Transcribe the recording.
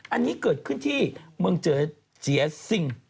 อันนี้เกิดขึ้นที่เมืองเจียซิง